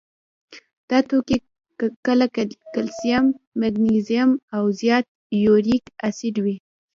دا توکي کله کلسیم، مګنیزیم او زیات یوریک اسید وي.